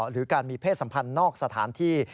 หรือการมีเพศสัมพันธ์นอกสถานที่